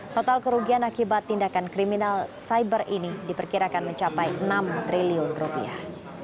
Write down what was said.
total kerugian akibat tindakan kriminal cyber ini diperkirakan mencapai enam triliun rupiah